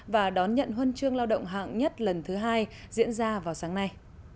và đón nhận huân chương lao động hạng nhất lần thứ hai diễn ra vào sáng nay